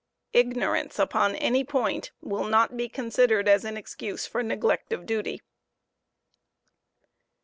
Ignorance upon any point will not be considered as an excuse for neglect of duty.